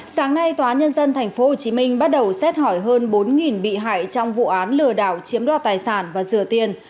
sáng nay tòa nhân dân tp hcm bắt đầu xét hỏi hơn bốn bị hại trong vụ án lừa đảo chiếm đoạt tài sản và rửa tiền